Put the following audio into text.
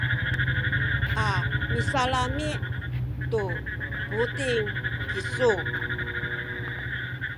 a misalami’ tu buting kisu.